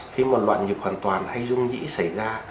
khi mà loạn nhịp hoàn toàn hay rung nhĩ xảy ra